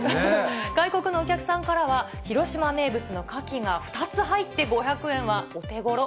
外国のお客さんからは、広島名物のカキが２つ入って５００円はお手ごろ。